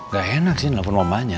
gak enak sih ini telepon mamanya